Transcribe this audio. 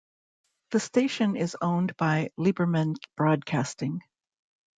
The station is owned by Liberman Broadcasting.